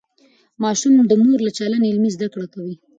ماشوم د مور له چلند عملي زده کړه کوي.